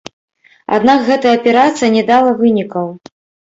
Аднак гэтая аперацыя не дала вынікаў.